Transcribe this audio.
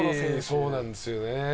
そうなんですよね。